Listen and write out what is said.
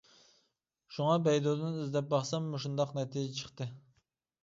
شۇڭا بەيدۇدىن ئىزدەپ باقسام مۇشۇنداق نەتىجە چىقتى.